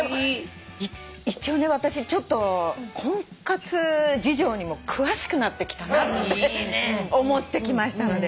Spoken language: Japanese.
一応私ちょっと婚活事情にも詳しくなってきたなって思ってきましたので。